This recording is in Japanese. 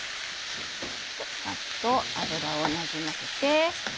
サッと油をなじませて。